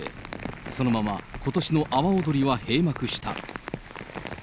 そのまま、ことしの阿波おどりは閉幕した。